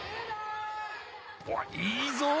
おっいいぞ！